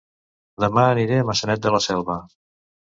Dema aniré a Maçanet de la Selva